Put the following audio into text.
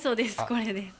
これです。